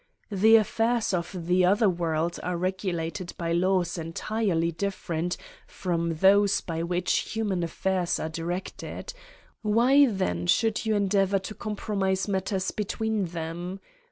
The affairs of the other world are regulated by laws entirely different from those by which human affairs are directed ; why then should you endeavour to compromise matters between them